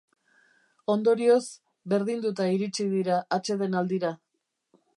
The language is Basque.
Ondorioz, berdinduta iritsi dira atsedenaldira.